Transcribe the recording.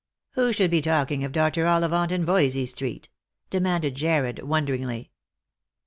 " Who should be talking of Dr. Ollivant in Voysey street ?" demanded Jarred wonderingly.